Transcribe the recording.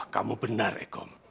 kamu benar ekom